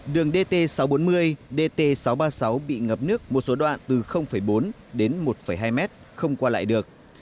đường dt sáu trăm bốn mươi dt sáu trăm ba mươi sáu bị ngập nước một số đoạn từ bốn đến một hai mét không qua lại được